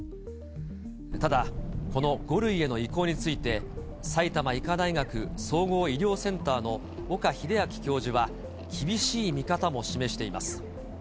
ただ、この５類への移行について、埼玉医科大学総合医療センターの岡秀昭教授は厳しい見方も示しています。